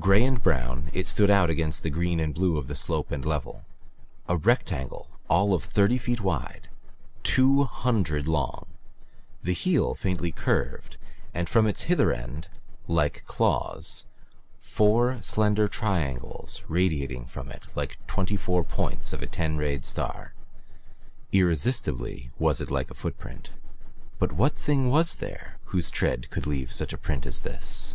Gray and brown, it stood out against the green and blue of slope and level; a rectangle all of thirty feet wide, two hundred long, the heel faintly curved and from its hither end, like claws, four slender triangles radiating from it like twenty four points of a ten rayed star. Irresistibly was it like a footprint but what thing was there whose tread could leave such a print as this?